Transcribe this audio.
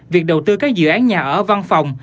việc đầu tư các dự án nhà ở văn phòng